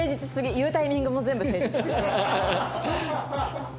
言うタイミングも全部誠実だ。